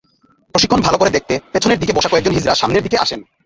প্রশিক্ষণ ভালো করে দেখতে পেছনের দিকে বসা কয়েকজন হিজড়া সামনের দিকে আসেন।